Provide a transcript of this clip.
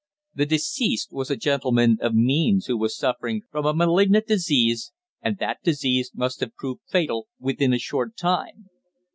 The deceased was a gentleman of means who was suffering from a malignant disease, and that disease must have proved fatal within a short time.